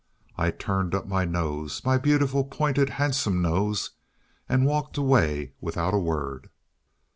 I turned up my nose my beautiful, pointed, handsome nose and walked away without a word.